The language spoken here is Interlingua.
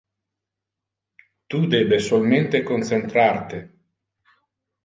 Tu debe solmente concentrar te.